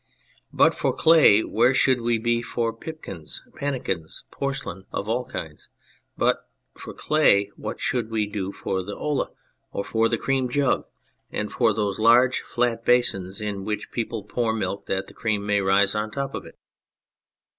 But for clay where should we be for pipkins, pannikins, porcelain of all kinds, and but for clay what should we do for the olla, for the cream jug, and for those large flat basins in which people pour milk that the cream may rise on top of it